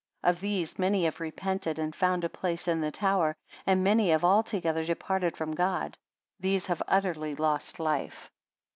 Of these many have repented, and found a place in the tower: and many have altogether departed from God. These have utterly lost life.